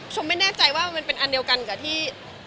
ฉันไม่แน่ใจว่าเป็นอะไรกันกับที่